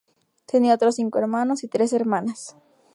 Tenía otros cinco hermanos y tres hermanas.